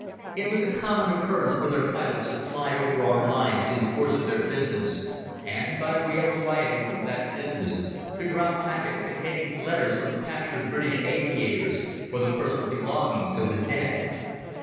It was a common occurrence for their pilots to fly over our lines in the course of their business, and, by way of variety from that business, to drop packets containing letters from captured British aviators, or the personal belongings of the dead.